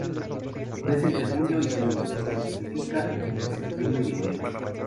Florece entre junio y julio y fructifica entre septiembre y enero.